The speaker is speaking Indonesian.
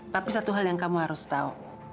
tapi satu hal yang kamu harus tahu